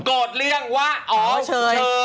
โกรธเรื่องว่าอ๋อเชย